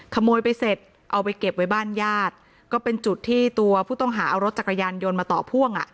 ขโมยไปเสร็จเอาไปเก็บไว้บ้านญาติก็เป็นจุดที่ตัวผู้ต้องหาเอารถจักรยานยนต์มาต่อพ่วงอ่ะ